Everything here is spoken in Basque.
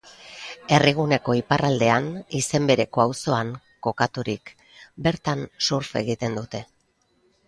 Herriguneko iparraldean, izen bereko auzoan, kokaturik, bertan surf egiten dute.